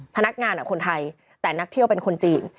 พนักงานคนไทยแต่นักเที่ยวเป็นคนจีน